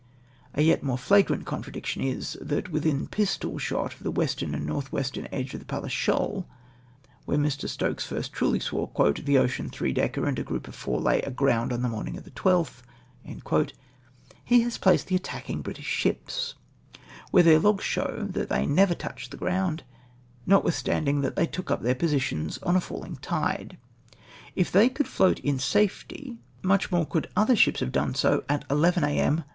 A yet more flagrant contradiction is — that within pistol shot of the western and north western edge of the Palles Shoal, where Mr. Stokes first truly swore " the Ocean three decker and a group of four lay aground on the morning of the 12th," he has placed the attaching British ships, where their logs show that they never touched the ground, notwithstanding that they took up VOL. IL D 34 LORD GAMBIER'S VOUCHER FOR STOKES'S CHART. their positions on a falling tide. If tliey could float in safety much more could other ships have done so at 11 a.m.